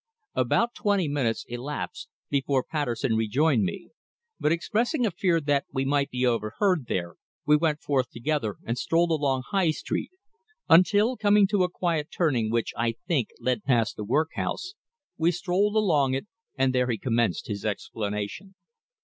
About twenty minutes elapsed before Patterson rejoined me, but expressing a fear that we might be overheard there, we went forth together and strolled along High Street, until, coming to a quiet turning which, I think, led past the workhouse, we strolled along it, and there he commenced his explanation.